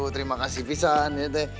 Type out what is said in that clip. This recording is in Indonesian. terima kasih fisan